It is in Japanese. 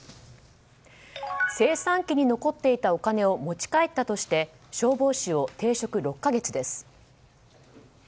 精算機に残っていたお金を持ち帰ったとして消防士を停職６か月です。